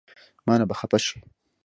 مانه به خفه شې